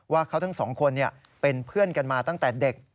ว่าเขาทั้งสองคนเป็นเพื่อนกันมาตั้งแต่เด็ก